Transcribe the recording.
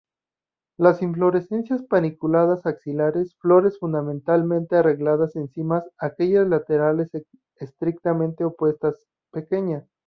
Las inflorescencias paniculadas, axilares, flores fundamentalmente arregladas en cimas, aquellas laterales estrictamente opuestas, pequeñas.